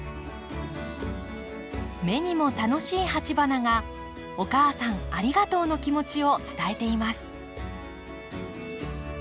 目にも楽しい鉢花が「お母さんありがとう」の気持ちを伝えています。